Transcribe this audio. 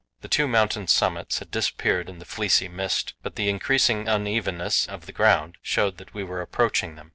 The two mountain summits had disappeared in the fleecy mist, but the increasing unevenness of the ground showed that we were approaching them.